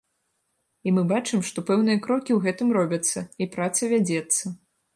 І мы бачым, што пэўныя крокі ў гэтым робяцца і праца вядзецца.